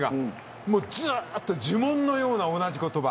ずっと呪文のように同じ言葉。